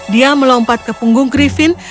dia melompat ke punggung crifin